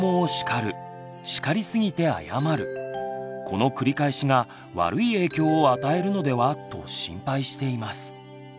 この繰り返しが悪い影響を与えるのではと心配しています。